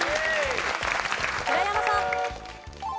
村山さん。